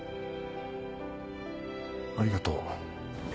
ありがとう。